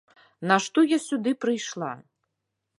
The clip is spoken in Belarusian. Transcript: Нашто я сюды прыйшла?